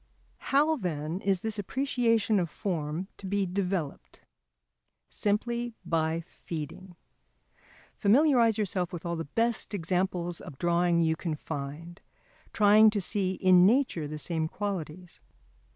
How, then, is this appreciation of form to be developed? Simply by feeding. Familiarise yourself with all the best examples of drawing you can find, trying to see in nature the same qualities.